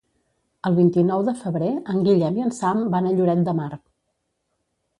El vint-i-nou de febrer en Guillem i en Sam van a Lloret de Mar.